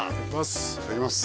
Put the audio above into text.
いただきます